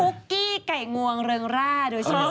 คุกกี้ไก่งวงเริงร่าด้วยชอบจัง